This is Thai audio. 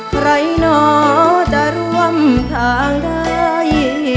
หนอจะร่วมทางได้